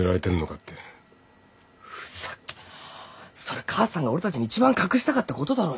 ふざけそれ母さんが俺たちに一番隠したかったことだろうよ。